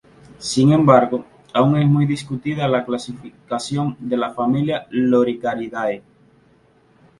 Sin embargo, aún es muy discutida la clasificación de la familia "Loricariidae".